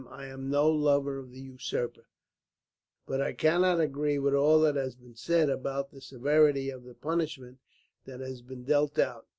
I am no lover of the usurper, but I cannot agree with all that has been said about the severity of the punishment that has been dealt out.